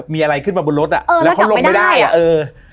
มีอะไรขึ้นมาบนรถอ่ะแล้วเขาลงไม่ได้อ่ะแล้วกลับไม่ได้อ่ะ